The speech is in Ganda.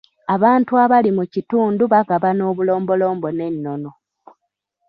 Abantu abali mu kitundu bagabana obulombolombo n'ennono.